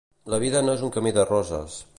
La vida no és un camí de roses